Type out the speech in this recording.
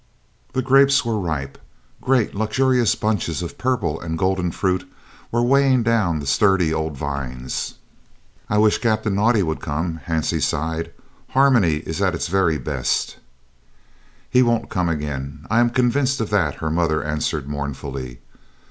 The grapes were ripe, great luxurious bunches of purple and golden fruit were weighing down the sturdy old vines. "I wish Captain Naudé would come," Hansie sighed. "Harmony is at its very best." "He won't come again, I am convinced of that," her mother answered mournfully.